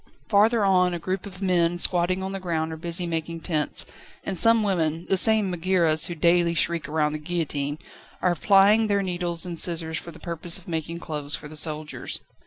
Farther on, a group of older men, squatting on the ground, are busy making tents, and some women the same Megaeras who daily shriek round the guillotine are plying their needles and scissors for the purpose of making clothes for the soldiers.